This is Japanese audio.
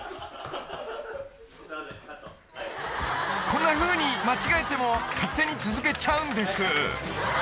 ［こんなふうに間違えても勝手に続けちゃうんです］